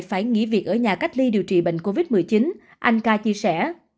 phải nghỉ việc ở nhà cách ly điều trị bệnh covid một mươi chín anh ca chia sẻ